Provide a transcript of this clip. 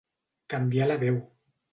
Canviar la veu.